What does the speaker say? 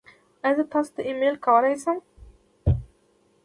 ایا زه تاسو ته ایمیل کولی شم؟